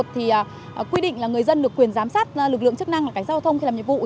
thì quy định là người dân được quyền giám sát lực lượng chức năng là cảnh giao thông khi làm nhiệm vụ